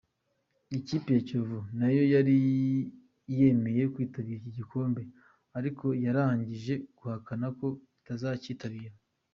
Ikipe ya Kiyovu nayo yari yemeye kwitabira iki gikombe ariko yararangije guhakana ko itazacyitabira.